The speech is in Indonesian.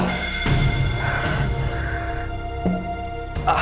aku sudah kangen